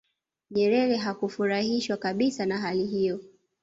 nyerere hakufurahishwa kabisa na hali hiyo